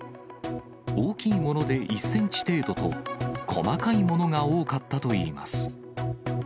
大きいもので１センチ程度と、細かいものが多かったといいます。